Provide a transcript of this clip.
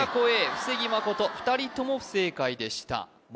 布施木誠２人とも不正解でしたま